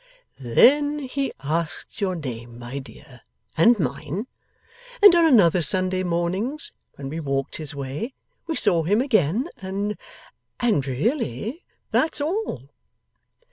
'Then he asked your name, my dear, and mine; and on other Sunday mornings, when we walked his way, we saw him again, and and really that's all.